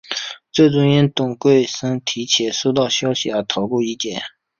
最终因董桂森提前收到消息而逃过一劫。